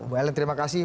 bu helen terima kasih